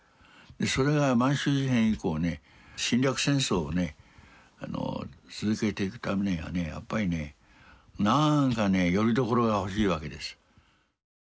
それが満州事変以降ね侵略戦争をね続けていくためにはねやっぱりねなんかねよりどころが欲しいわけです。